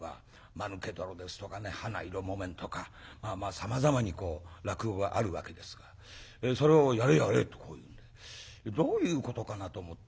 「間抜け泥」ですとかね「花色木綿」とかさまざまにこう落語があるわけですがそれを「やれやれ」とこう言うんでどういうことかなと思って。